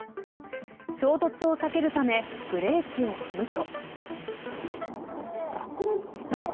衝突を避けるためブレーキを踏むと。